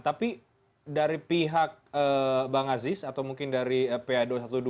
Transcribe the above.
tapi dari pihak bang aziz atau mungkin dari pa dua ratus dua belas